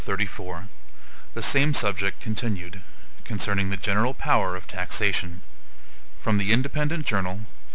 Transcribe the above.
34 The Same Subject Continued (Concerning the General Power of Taxation) From The Independent Journal.